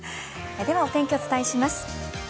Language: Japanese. ではお天気をお伝えします。